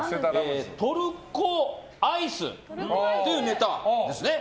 トルコアイスというネタですね。